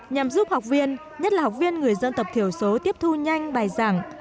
nhằm giúp học viên nhất là học viên người dân tập thiểu số tiếp thu nhanh bài giảng